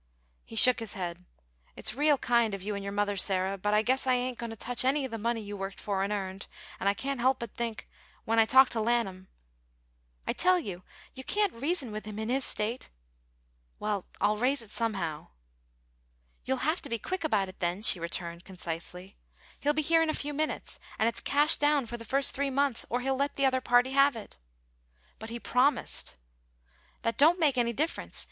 He shook his head. "It's real kind of you and your mother, Sarah, but I guess I ain't going to touch any of the money you worked for and earned, and I can't help but think, when I talk to Lanham " "I tell you, you can't reason with him in his state!" "Well, I'll raise it somehow." "You'll have to be quick about it, then," she returned, concisely. "He'll be here in a few minutes, and it's cash down for the first three months, or he'll let the other party have it." "But he promised " "That don't make any difference.